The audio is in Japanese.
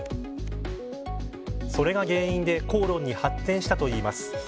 それが原因で口論に発展したといいます。